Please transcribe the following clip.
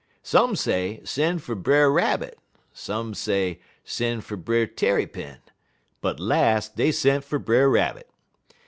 "Some say sen' fer Brer Rabbit, some say sen' fer Brer Tarrypin; but las' dey sent fer Brer Rabbit.